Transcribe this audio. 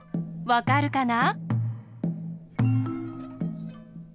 わかるかな？